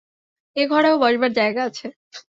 এ-ঘরেও বসবার জায়গা আছে।